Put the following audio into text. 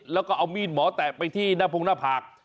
แล้วก็เอามีดหมอแตะไปที่หน้าพงหน้าผาก